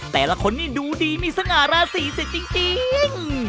แต่ละคนนี้ดูดีมีสง่าราศีสิจริง